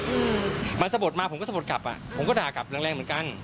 อืมมันสะบดมาผมก็สะบดกลับอ่ะผมก็ด่ากลับแรงแรงเหมือนกัน